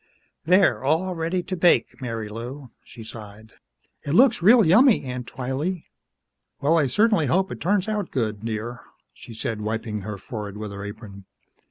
"There all ready to bake, Marilou," she sighed. "It looks real yummy, Aunt Twylee." "Well, I certainly hope it turns out good, dear," she said, wiping her forehead with her apron.